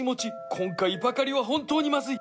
今回ばかりは本当にまずい。